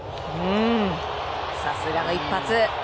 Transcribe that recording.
さすがの一発。